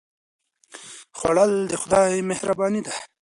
خوړل د خدای مهرباني ده